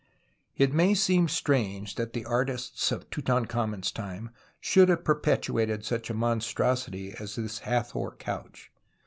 It 108 TUTANKHAMEN may seem strange that the artists of Tutan khamen's time should have perpetrated such a monstrosity as this Hatlior couch.